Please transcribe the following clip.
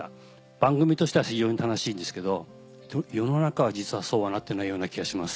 番組としては非常に楽しいんですけど世の中は実はそうはなってないような気がします。